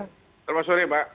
selamat sore pak